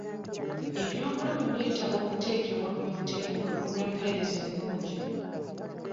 Ebyobulamu byetaaga okuteekebwa ku mutindo olw'empeereza ennungi.